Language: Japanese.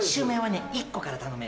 １個から頼めるの。